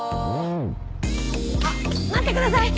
あっ待ってください！